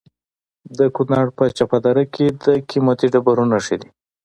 د کونړ په چپه دره کې د قیمتي ډبرو نښې دي.